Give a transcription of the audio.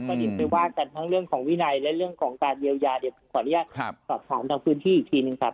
ก็เดี๋ยวไปว่ากันทั้งเรื่องของวินัยและเรื่องของการเยียวยาเดี๋ยวผมขออนุญาตสอบถามทางพื้นที่อีกทีหนึ่งครับ